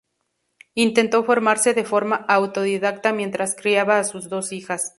Intentó formarse de forma autodidacta mientras criaba a sus dos hijas.